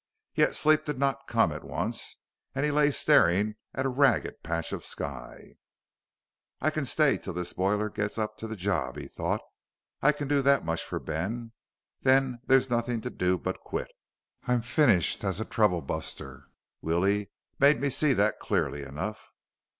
Yet sleep did not come at once, and he lay staring at a ragged patch of sky. I can stay till this boiler gets up to the job, he thought. _I can do that much for Ben. Then there's nothing to do but quit. I'm finished as a troublebuster. Willie made me see that clearly enough.